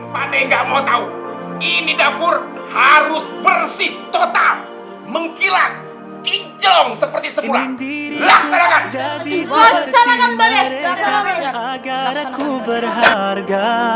pada enggak mau tahu ini dapur harus bersih total mengkilat di jelong seperti sepulang